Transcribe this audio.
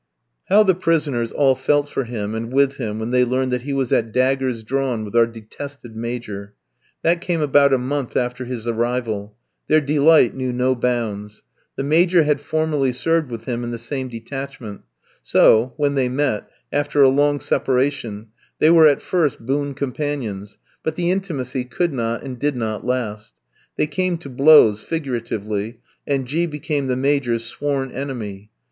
How the prisoners all felt for him, and with him when they learned that he was at daggers drawn with our detested Major. That came about a month after his arrival. Their delight knew no bounds. The Major had formerly served with him in the same detachment; so, when they met, after a long separation, they were at first boon companions, but the intimacy could not and did not last. They came to blows figuratively and G kof became the Major's sworn enemy.